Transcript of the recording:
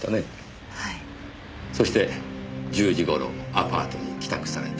そして１０時頃アパートに帰宅された。